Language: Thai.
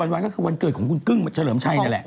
๔๑๑นั่นแหละ๔๑๑ก็คือวันเกิดของคุณกึ้งเฉลิมชัยนั่นแหละ